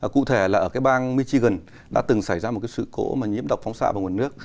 cụ thể là ở cái bang michigan đã từng xảy ra một cái sự cố mà nhiễm độc phóng xạ vào nguồn nước